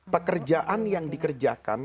pekerjaan yang dikerjakan